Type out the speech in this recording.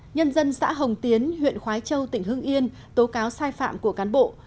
nhân dân xã hồng tiến huyện khói châu tỉnh hưng yên tố cáo sai phạm của cán bộ